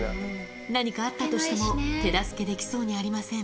何かあったとしても、手助けできそうにありません。